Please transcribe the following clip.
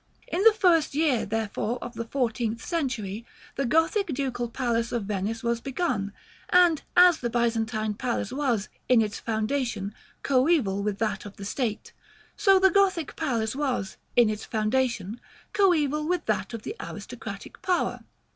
" In the first year, therefore, of the fourteenth century, the Gothic Ducal Palace of Venice was begun; and as the Byzantine Palace was, in its foundation, coeval with that of the state, so the Gothic Palace was, in its foundation, coeval with that of the aristocratic power.